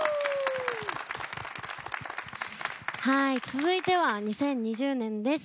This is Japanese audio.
続いては２０２０年です。